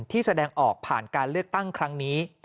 แสดงออกผ่านการเลือกตั้งครั้งนี้